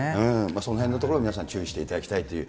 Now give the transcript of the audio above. そのへんのところ、皆さん注意していただきたいという。